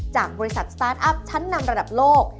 จากบริษัทสตาร์ทอัพชั้นนำระดับโลก